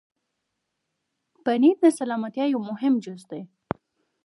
پنېر د سلامتیا یو مهم جز دی.